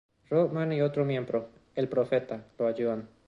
Rodman y otro miembro, el Profeta, lo ayudan.